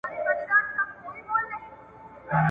سياسي ګوندونه په ټولنه کي ځانګړی رول لري.